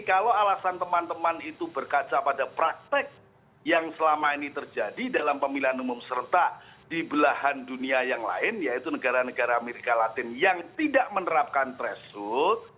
kalau alasan teman teman itu berkaca pada praktek yang selama ini terjadi dalam pemilihan umum serta di belahan dunia yang lain yaitu negara negara amerika latin yang tidak menerapkan threshold